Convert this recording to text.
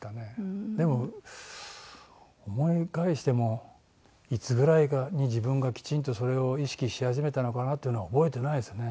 でも思い返してもいつぐらいに自分がきちんとそれを意識し始めたのかなっていうのは覚えてないですよね